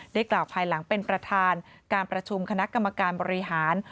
กล่าวภายหลังเป็นประธานการประชุมคณะกรรมการบริหาร